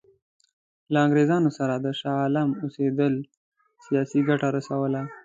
له انګرېزانو سره د شاه عالم اوسېدلو سیاسي ګټه رسوله.